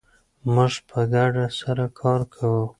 موږ په ګډه سره کار کوو.